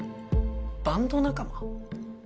バンド仲間？